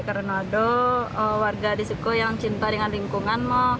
karena ada warga di sini yang cinta dengan lingkungan